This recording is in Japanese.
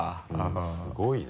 すごいね。